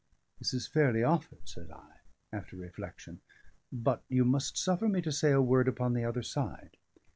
"This is fairly offered," said I, after reflection. "But you must suffer me to say a word upon the other side.